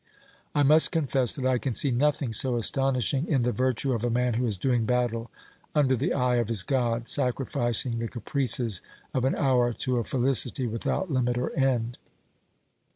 I must confess that I can see nothing so astonishing in the virtue of a man who is doing battle under the eye of his God, sacrificing the caprices of an hour to a felicity without limit or end.